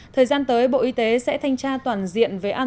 thời gian tới bộ y tế sẽ thanh tra toàn diện về an toàn